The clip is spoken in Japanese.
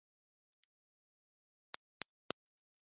冬には、ひょうたん池の表層は鏡のように周りを写し出しとてもきれい。